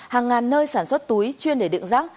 hàng ngàn nơi sản xuất túi chuyên để đựng rác